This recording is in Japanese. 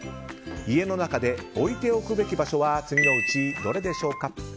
家の中で置いておくべき場所は次のうち、どれでしょうか？